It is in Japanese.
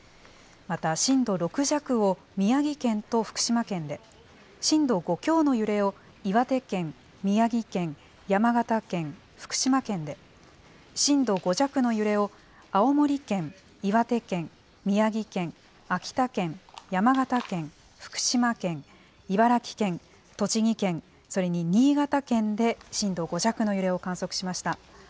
また震度６弱を宮城県と福島県で、震度５強の揺れを岩手県、宮城県、山形県、福島県で、震度５弱の揺れを青森県、岩手県、宮城県、秋田県、山形県、福島県、茨城県、栃木県、それに新潟県で震度５弱の揺れを観測しました。